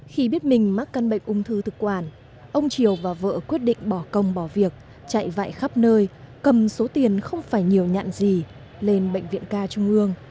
khi biết mình mắc căn bệnh ung thư thực quản ông triều và vợ quyết định bỏ công bỏ việc chạy vại khắp nơi cầm số tiền không phải nhiều nhạn gì lên bệnh viện ca trung ương